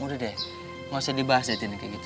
udah deh enggak usah dibahas deh tin